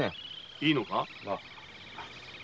いいのか？